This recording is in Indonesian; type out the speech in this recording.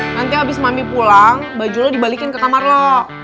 nanti habis mami pulang baju lo dibalikin ke kamar lo